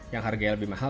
yang harganya lebih mahal